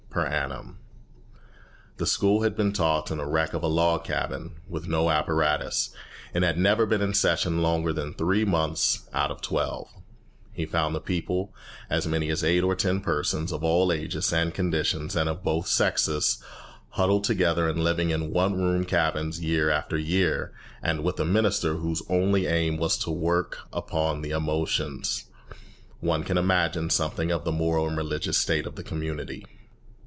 per annum. The school had been taught in a wreck of a log cabin, with no apparatus, and had never been in session longer than three months out of twelve. He found the people, as many as eight or ten persons, of all ages and conditions and of both sexes, huddled together and living in one room cabins year after year, and with a minister whose only aim was to work upon the emotions. One can imagine something of the moral and religious state of the community.